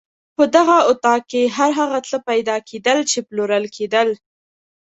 په دغه اطاق کې هر هغه څه پیدا کېدل چې پلورل کېدل.